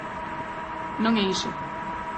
Non é iso.